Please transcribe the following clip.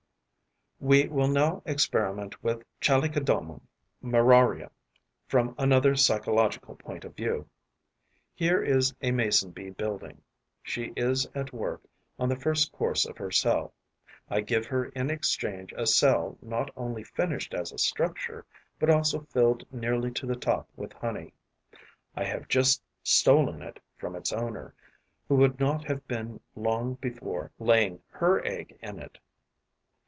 We will now experiment with Chalicodoma muraria from another psychological point of view. Here is a Mason bee building; she is at work on the first course of her cell. I give her in exchange a cell not only finished as a structure, but also filled nearly to the top with honey. I have just stolen it from its owner, who would not have been long before laying her egg in it.